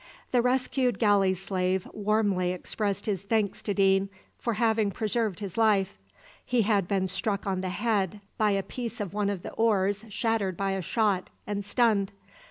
The rescued galley slave warmly expressed his thanks to Deane for having preserved his life. He had been struck on the head by a piece of one of the oars shattered by a shot, and stunned.